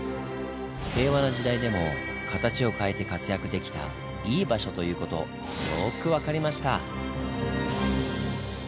平和な時代でも形を変えて活躍できた「イイ場所」という事よく分かりました！